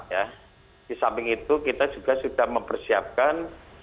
ya di samping itu kita juga sudah mempersiapkan